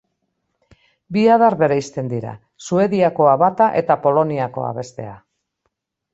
Bi adar bereizten dira, Suediakoa bata eta Poloniakoa bestea.